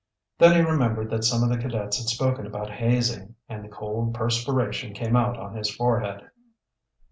Then he remembered that some of the cadets had spoken about hazing, and the cold perspiration came out on his forehead.